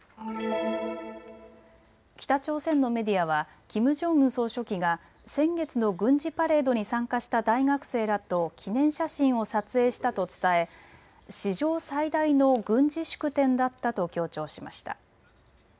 北朝鮮のメディアはキム・ジョンウン総書記が先月の軍事パレードに参加した大学生らと記念写真を撮影したと伝え史上最大の軍事祝典だったと強調しました。